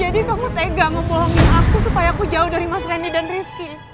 jadi kamu tega ngebohongin aku supaya aku jauh dari mas reni dan rizky